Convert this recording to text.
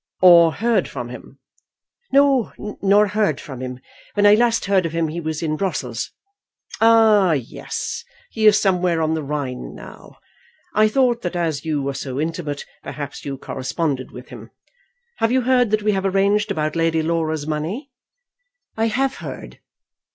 "Or heard from him?" "No; nor heard from him. When last I heard of him he was in Brussels." "Ah, yes; he is somewhere on the Rhine now. I thought that as you were so intimate, perhaps you corresponded with him. Have you heard that we have arranged about Lady Laura's money?" "I have heard.